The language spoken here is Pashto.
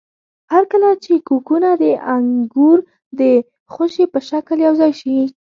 هرکله چې کوکونه د انګور د خوشې په شکل یوځای شي.